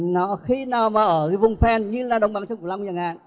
nó khi nào mà ở cái vùng phen như là đồng bằng sông cửu lâm